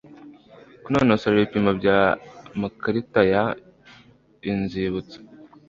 Kunonosora ibipimo by amakarita y Inzibutso